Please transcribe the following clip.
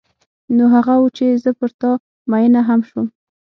نو هغه و چې زه پر تا مینه هم شوم.